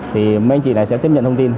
thì mấy anh chị này sẽ tiếp nhận thông tin